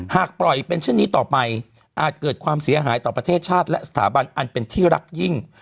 หากปล่อยเป็นเช่นนี้ต่อไปอาจเกิดความเสียหายต่อประเทศชาติและสถาบันอันเป็นที่รักยิ่ง